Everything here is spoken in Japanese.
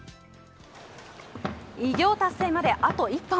偉業達成まであと１本。